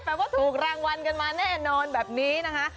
ว่าถูกรางวัลกันมาแน่นอนแบบนี้นะคะ